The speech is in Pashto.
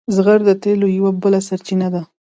زغر د تیلو یوه بله سرچینه ده.